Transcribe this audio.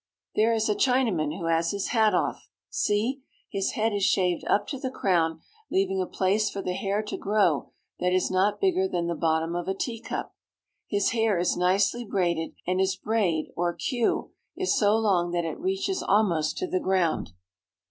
There is a Chinaman who has his hat off! See! his head is shaved up to the crown, leaving a place for the hair to grow that is not bigger than the bottom of a tea cup. His hair is nicely braided, and his braid, or cue, is so long that it reaches almost to the ground.